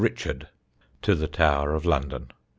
Richard," to the Tower of London.